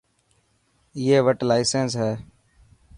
ائي وٽ لاسينس هي.